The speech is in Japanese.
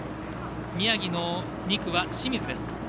宮城の２区は清水です。